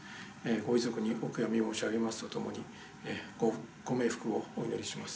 ご遺族にお悔みを申し上げますとともにご冥福をお祈りします。